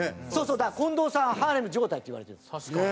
だから近藤さんはハーレム状態っていわれてるんです。